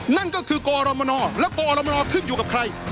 นั่นก็คือกรมนและกรมนขึ้นอยู่กับใคร